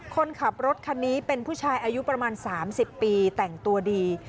คนขับรถคันนี้เป็นผู้ชายอายุประมาณ๓๐ปีแต่งตัวดี